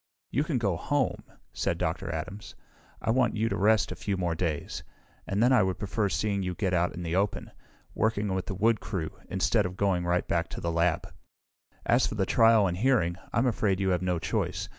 "You can go home," said Dr. Adams. "I want you to rest a few more days, and then I would prefer seeing you get out in the open, working with the wood crew, instead of going right back to the lab. "As for the trial and hearing, I'm afraid you have no choice.